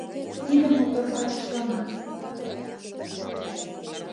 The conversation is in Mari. Тиде мотор качыштланат